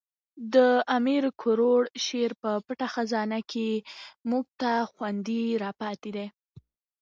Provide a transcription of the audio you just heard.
د امیر کروړ شعر په پټه خزانه کښي موږ ته خوندي را پاتي دي.